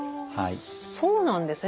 そうなんですね。